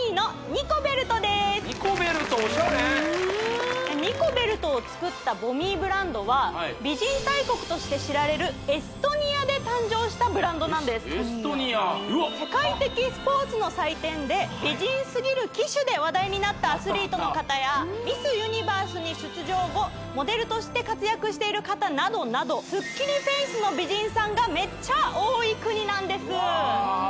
ニコベルトオシャレニコベルトを作ったＶＯＮＭＩＥブランドは美人大国として知られるエストニアで誕生したブランドなんです世界的スポーツの祭典で美人すぎる旗手で話題になったアスリートの方やミス・ユニバースに出場後モデルとして活躍している方などなどスッキリフェイスの美人さんがめっちゃ多い国なんですわあ